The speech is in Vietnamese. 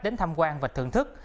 đến tham quan và thưởng thức